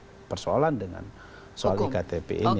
ada persoalan dengan soal iktp ini